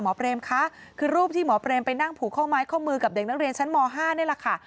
เปรมคะคือรูปที่หมอเปรมไปนั่งผูกข้อไม้ข้อมือกับเด็กนักเรียนชั้นม๕นี่แหละค่ะ